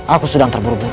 aku sudah terburu buru